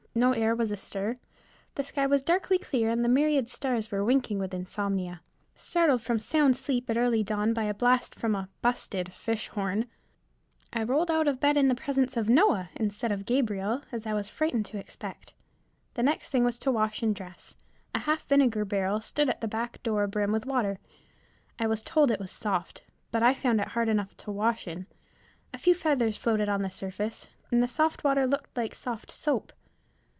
No air was astir. The sky was darkly clear and the myriad stars were winking with insomnia. Startled from sound sleep at early dawn by a blast from a "busted" fish horn, I rolled out of bed in the presence of Noah, instead of Gabriel, as I was frightened to expect. The next thing was to wash and dress. A half vinegar barrel stood at the back door abrim with water. I was told it was soft, but I found it hard enough to wash in. A few feathers floated on the surface, and the soft water looked like soft soap.